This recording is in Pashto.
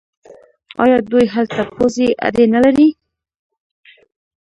آیا دوی هلته پوځي اډې نلري؟